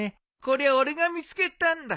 これは俺が見つけたんだ。